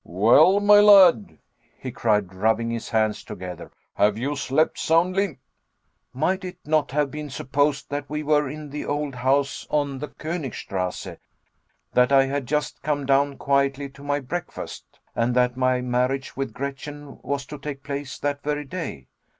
"Well, my lad," he cried, rubbing his hands together, "have you slept soundly?" Might it not have been supposed that we were in the old house on the Konigstrasse; that I had just come down quietly to my breakfast; and that my marriage with Gretchen was to take place that very day?